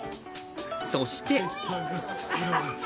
そして。